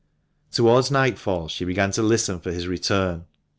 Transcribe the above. Towards nightfall she began to listen for his return.